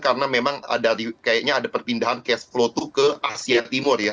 karena memang ada perpindahan cash flow ke asia timur ya